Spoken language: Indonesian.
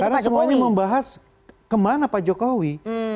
karena semuanya membahas kemana pak jokowi